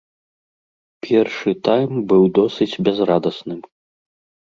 Першы тайм быў досыць бязрадасным.